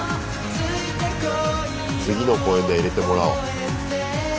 次の公演では入れてもらおう。